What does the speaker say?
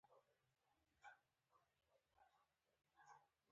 اړیکې له خلکو سره د فردي یا ګروپي تعامل لپاره دي.